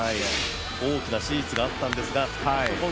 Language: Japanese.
大きな手術があったんですが。